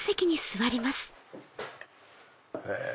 へぇ。